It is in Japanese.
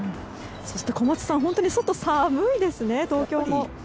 そして小松さん外、寒いですね、東京も。